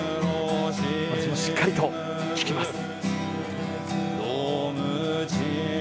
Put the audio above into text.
私もしっかりと聴きます。